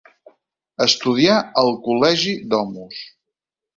Estudià al col·legi Domus.